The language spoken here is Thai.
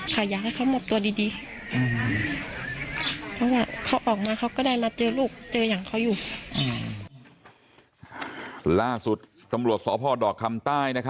ขายยาให้เขาหมดตัวดี